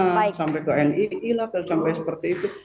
sampai ke ni ilab sampai seperti itu